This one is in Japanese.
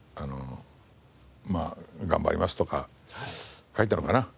まあ頑張りますとか書いたのかな。